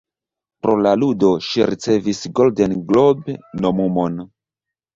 Pro la ludo, ŝi ricevis Golden Globe-nomumon.